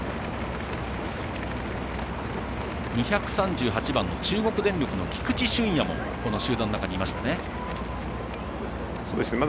２３８番の中国電力の菊地駿弥もこの集団の中にいましたね。